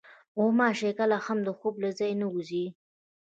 غوماشې کله هم د خوب له ځایه نه وځي.